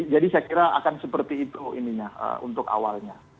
jadi saya kira akan seperti itu untuk awalnya